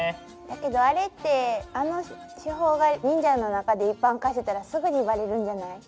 だけどあれってあの手法が忍者の中で一般化してたらすぐにバレるんじゃない？